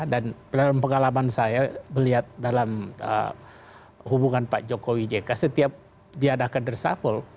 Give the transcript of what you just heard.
pengalaman saya melihat dalam hubungan pak jokowi jk setiap diadakan reshuffle